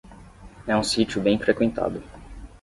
É um sítio bem frequentado